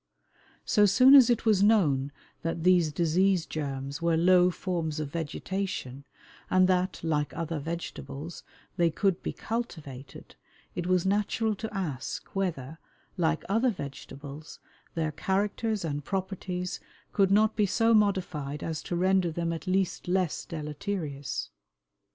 So soon as it was known that these disease germs were low forms of vegetation, and that, like other vegetables, they could be cultivated, it was natural to ask whether, like other vegetables, their characters and properties could not be so modified as to render them at least less deleterious.